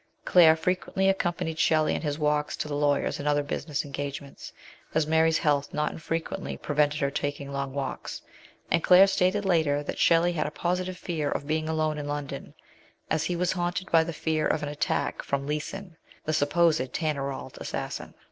Claire frequently accompanied Shelley in his walks to the lawyers and other business engagements, as Mary's health not infrequently pre vented her taking long walks, and Claire stated later that Shelley had a positive fear of being alone in London, as he was haunted by the fear of an attack from Leeson, the supposed Tanyrallt assassin.